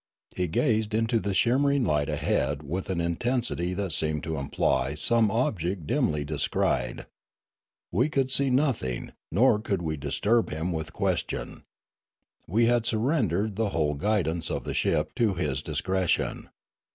He gazed into the shimmering light ahead with an inten sity that seemed to imply some object dimly descried. We could see nothing, nor could we disturb him with question. We had surrendered the whole guidance of the ship to his discretion.